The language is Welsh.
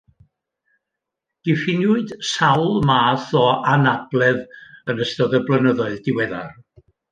Diffiniwyd sawl math o anabledd yn ystod y blynyddoedd diweddar